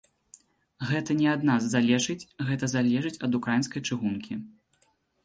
Гэта не ад нас залежыць, гэта залежыць ад украінскай чыгункі.